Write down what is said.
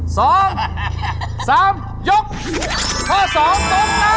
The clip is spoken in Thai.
เอาเร็ว